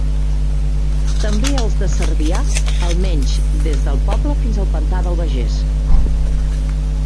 També els de Cervià, almenys des del poble fins al pantà de l'Albagés.